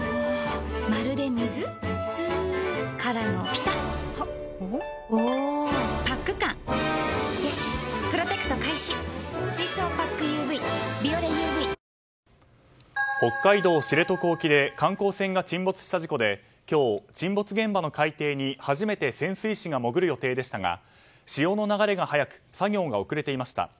北海道知床沖で観光船が沈没した事故で今日、沈没現場の海底に初めて潜水士が潜る予定でしたが潮の流れが早く作業が遅れていました。